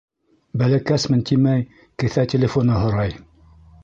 Бәләкәсмен тимәй, кеҫә телефоны һорай.